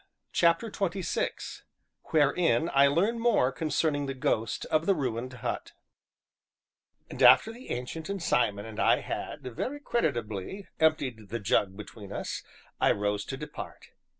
CHAPTER XXVI WHEREIN I LEARN MORE CONCERNING THE GHOST OF THE RUINED HUT And after the Ancient and Simon and I had, very creditably, emptied the jug between us, I rose to depart.